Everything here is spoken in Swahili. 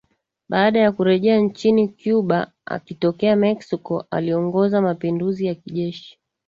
Baada ya kurejea nchini Cuba akitokea Mexico aliongoza mapinduzi ya kijeshi